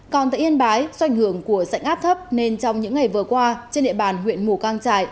còn tại yên bái do ảnh hưởng của sảnh áp thấp nên trong những ngày vừa qua trên địa bàn huyện mù căng trải